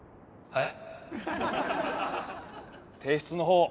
はい？